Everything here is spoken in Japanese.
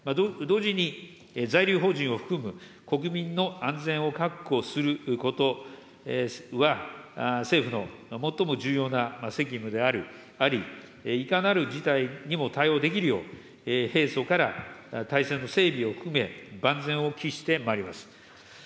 同時に、在留邦人を含む国民の安全を確保することは、政府の最も重要な責務であり、いかなる事態にも対応できるよう、平素から体制の整備を含め、万全を期してまいります。